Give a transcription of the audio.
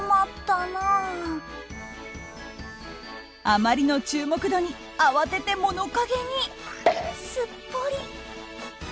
あまりの注目度に慌てて物陰にすっぽり。